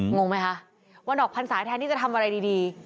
งงไหมคะว่าดอกพันสายแทนที่จะทำอะไรดี